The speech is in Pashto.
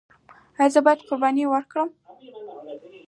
ایا زه باید قرباني وکړم؟